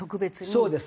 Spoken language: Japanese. そうです。